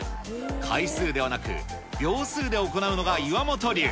回数ではなく、秒数で行うのが岩本流。